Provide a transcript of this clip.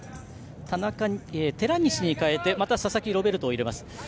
寺西に代えて佐々木ロベルトを入れます。